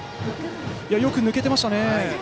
よく抜けていましたね。